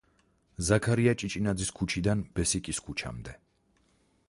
ზაქარია ჭიჭინაძის ქუჩიდან ბესიკის ქუჩამდე.